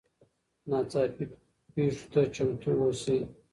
ناڅاپي پیښو ته چمتو اوسئ.